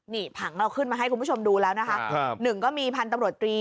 นี่ผังเราขึ้นมาให้คุณผู้ชมดูแล้วนะคะครับหนึ่งก็มีพันธุ์ตำรวจตรี